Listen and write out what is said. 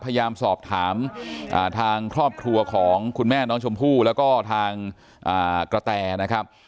พยายามสอบถามทางครอบครัวของคุณแม่น้องชมพู่แล้วก็ทางกระแตนะครับ